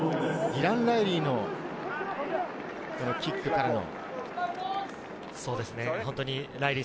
ディラン・ライリーのキックからの。